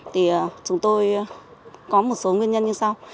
thì chúng tôi có một số nguyên nhân như sau